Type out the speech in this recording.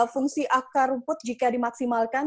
fungsi akar rumput jika dimaksimalkan